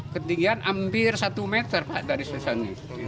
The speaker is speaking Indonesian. ketinggian hampir satu meter pak dari susangi